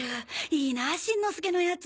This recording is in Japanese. いいなあしんのすけのヤツ。